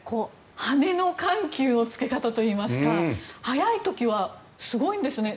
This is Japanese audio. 羽根の緩急のつけ方といいますか速い時はすごいんですね。